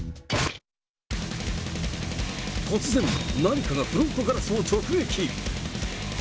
突然、何かがフロントガラスを直撃。